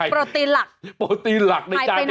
โปรตีนหลัก